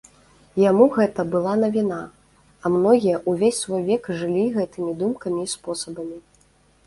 Яму гэта была навіна, а многія ўвесь свой век жылі гэтымі думкамі і спосабамі.